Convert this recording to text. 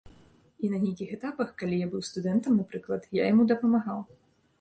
І на нейкіх этапах, калі я быў студэнтам, напрыклад, я яму дапамагаў.